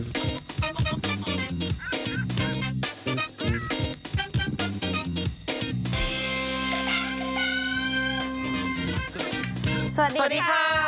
สวัสดีค่ะ